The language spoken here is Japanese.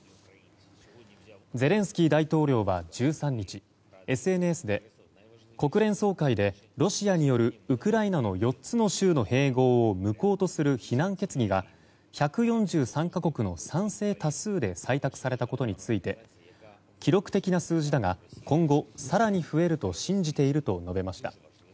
ゼレンスキー大統領は１３日ＳＮＳで国連総会でロシアによるウクライナの４つの州の併合を無効とする非難決議が１４３か国の賛成多数で採択されたことについて記録的な数字だが今後、更に増えると信じていると述べました。